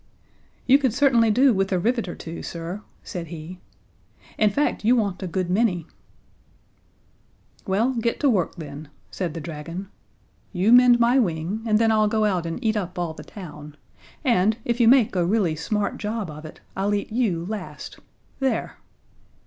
"You could certainly do with a rivet or two, sir," said he. "In fact, you want a good many." "Well, get to work, then," said the dragon. "You mend my wing, and then I'll go out and eat up all the town, and if you make a really smart job of it I'll eat you last. There!"